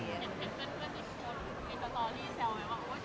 มีตัวตอนที่แซวไหมวะ